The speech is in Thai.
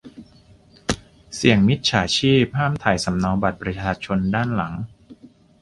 เสี่ยงมิจฉาชีพ ห้ามถ่ายสำเนาบัตรประชาชนด้านหลัง